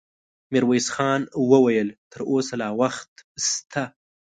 ميرويس خان وويل: تر اوسه لا وخت شته.